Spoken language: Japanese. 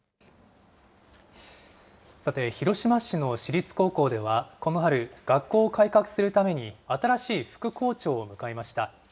さて、広島市の私立高校では、この春、学校を改革するために新しい副校長を迎えました。